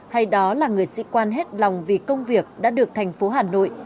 hay đó là người sĩ quan hết lòng vì công việc đã được thành phố hà nội